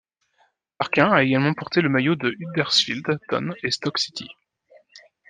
Parkin a également porté le maillot de Huddersfield Town et Stoke City.